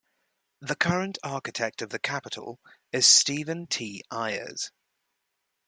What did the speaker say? The current Architect of the Capitol is Stephen T. Ayers.